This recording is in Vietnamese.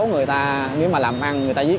người ta nếu mà làm ăn người ta viết